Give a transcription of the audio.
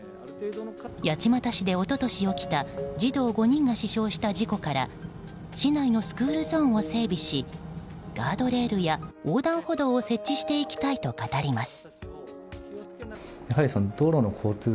八街市で一昨年起きた児童５人が死傷した事故から市内のスクールゾーンを整備しガードレールや横断歩道を設置していきたいと語ります。